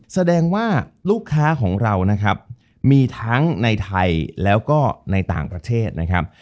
แสดงว่าลูกค้าของเรานะครับมีทั้งในไทยแล้วก็ในต่างประเทศนะครับ